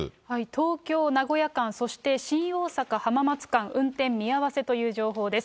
東京・名古屋間、そして新大阪・浜松間、運転見合わせという情報です。